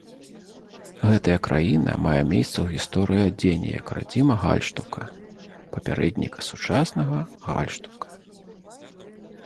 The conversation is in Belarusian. Гэтая краіна мае месца ў гісторыі адзення як радзіма гальштука, папярэдніка сучаснага гальштука.